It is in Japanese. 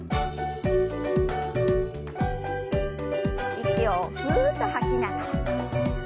息をふっと吐きながら。